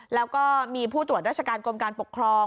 แล้วก็มีผู้ตรวจราชการกรมการปกครอง